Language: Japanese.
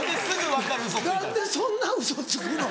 何でそんなウソをつくの？